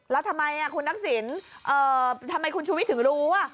แล้วทำไมอ่ะคุณนักศิลป์เอ่อทำไมคุณชูวิทย์ถึงรู้อ่ะ